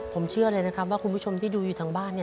ผมเชื่อเลยนะครับว่าคุณผู้ชมที่ดูอยู่ทางบ้านเนี่ย